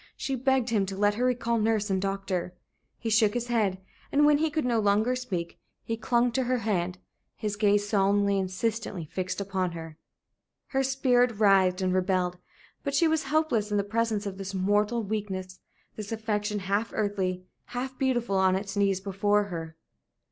She begged him to let her recall nurse and doctor. He shook his head, and when he could no longer speak, he clung to her hand, his gaze solemnly, insistently, fixed upon her. Her spirit writhed and rebelled. But she was helpless in the presence of this mortal weakness, this affection, half earthly, half beautiful, on its knees before her.